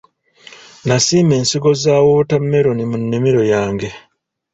Nasimba ensigo za wootammeroni mu nnimiro yange.